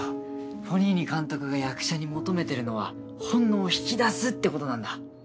フォニーニ監督が役者に求めてるのは本能を引き出すってことなんだ。